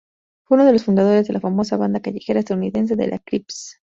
Fue uno de los fundadores de la famosa banda callejera estadounidense de los Crips.